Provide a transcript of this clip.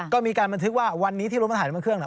ก็มีการบันทึกว่าวันนี้ที่รถไปถ่ายรมันเครื่อง